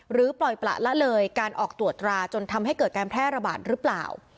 ปล่อยประละเลยการออกตรวจตราจนทำให้เกิดการแพร่ระบาดหรือเปล่า